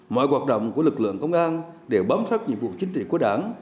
mọi hoạt động của lực lượng công an đều bám sát nhiệm vụ chính trị của đảng